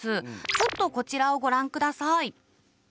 ちょっとこちらをご覧ください。